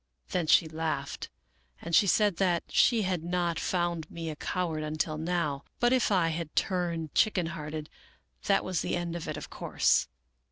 Then she laughed, and said that she had not found me a coward until now, but that if I had turned chicken hearted, that was the end of it, of course.